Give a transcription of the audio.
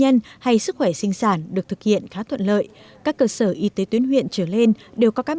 hay sức khỏe sinh sản được thực hiện khá thuận lợi các cơ sở y tế tuyến huyện trở lên đều có các